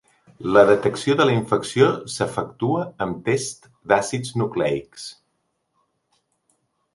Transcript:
La detecció de la infecció s’efectua amb tests d’àcids nucleics.